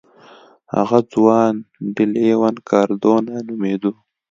هغه جوان ډي لیون کاردونا نومېده.